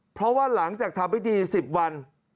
เพราะว่าหลังจากทำพิธี๑๐วัน